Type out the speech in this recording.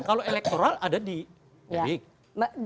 kalau elektoral ada di etik